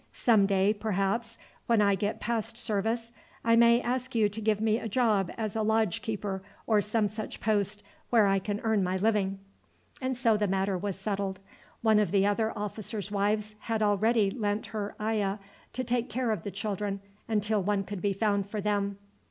Some day, perhaps, when I get past service I may ask you to give me a job as a lodge keeper or some such post, where I can earn my living." And so the matter was settled. One of the other officers' wives had already lent her ayah to take care of the children until one could be found for them.